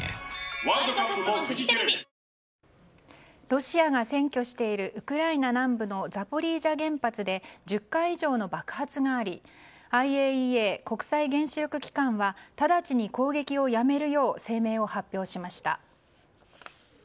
ロシアが占拠しているウクライナ南部のザポリージャ原発で１０回以上の爆発がありＩＡＥＡ・国際原子力機関はただちに攻撃をやめるよう声明を発表しました。